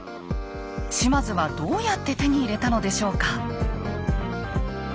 島津はどうやって手に入れたのでしょうか。